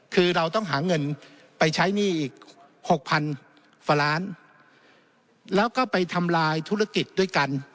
คือเราต้องหาเงินไปใช้หนี้อีกหกพันกว่าล้านแล้วก็ไปทำลายธุรกิจด้วยกัน